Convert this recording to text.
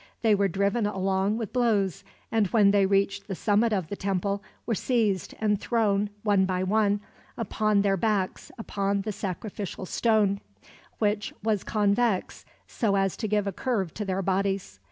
They were driven along with blows and, when they reached the summit of the temple, were seized and thrown, one by one, upon their backs upon the sacrificial stone, which was convex, so as to give a curve to their bodies.